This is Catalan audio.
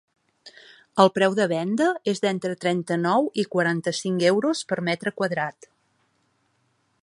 El preu de venda és d’entre trenta-nou i quaranta-cinc euros per metre quadrat.